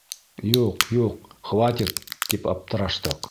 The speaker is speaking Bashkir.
Юҡ-юҡ, хватит! — тип аптыраштыҡ.